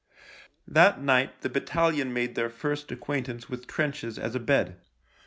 That night the battalion made their first acquaintance with trenches as a bed.